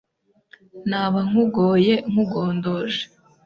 Naba nkugoye nkugondoje